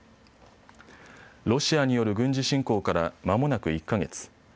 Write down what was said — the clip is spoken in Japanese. ロシアによる軍事侵攻からまもなく１か月。